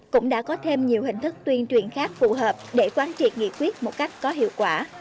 cũng đã có thêm nhiều hình thức tuyên truyền khác phù hợp để quan triệt nghị quyết một cách có hiệu quả